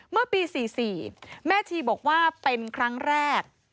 เมื่อปี๔๔แม่ชีบอกว่าเป็นครั้งแรก